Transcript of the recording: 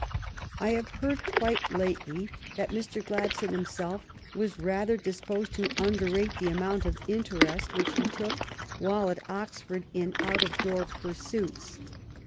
I have heard quite lately that Mr. Gladstone himself was rather disposed to underrate the amount of interest which he took, while at Oxford, in out of door pursuits.